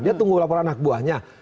dia tunggu laporan anak buahnya